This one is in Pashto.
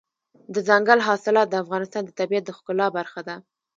دځنګل حاصلات د افغانستان د طبیعت د ښکلا برخه ده.